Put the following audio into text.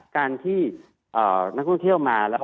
การที่นักท่องเที่ยวมาแล้ว